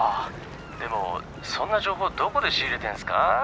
でもそんな情報どこで仕入れてんすか？」。